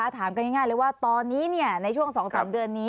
ถามกันง่ายเลยว่าตอนนี้ในช่วง๒๓เดือนนี้